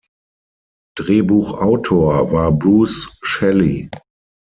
Drehbuchautor war Bruce Shelly.